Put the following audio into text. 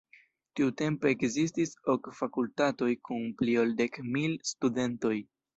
Tiutempe ekzistis ok fakultatoj kun pli ol dek mil studentoj.